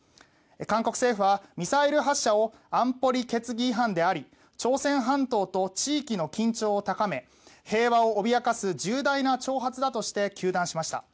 韓国政府はミサイル発射を安保理決議違反であり朝鮮半島と地域の緊張を高め平和を脅かす重大な挑発だと糾弾しました。